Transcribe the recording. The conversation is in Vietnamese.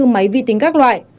hai mươi bốn máy vi tính các loại